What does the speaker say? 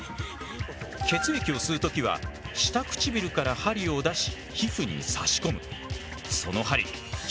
血液を吸う時は下唇から針を出し皮膚に差し込む。